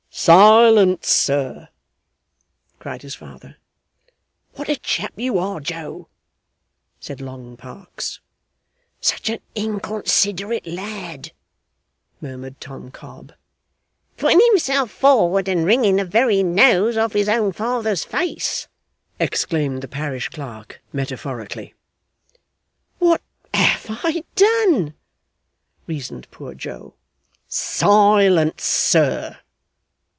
'Silence, sir!' cried his father. 'What a chap you are, Joe!' said Long Parkes. 'Such a inconsiderate lad!' murmured Tom Cobb. 'Putting himself forward and wringing the very nose off his own father's face!' exclaimed the parish clerk, metaphorically. 'What HAVE I done?' reasoned poor Joe. 'Silence, sir!